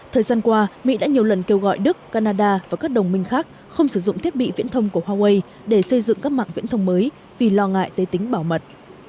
thời gian qua mỹ đã nhiều lần kêu gọi đức canada và các đồng minh khác không sử dụng thiết bị viễn thông của huawei để xây dựng các mạng viễn thông mới vì lo ngại tê tính bảo mật